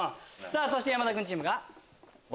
そして山田君チームが。